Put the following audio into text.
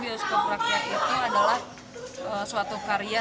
bioskop rakyat itu adalah suatu karya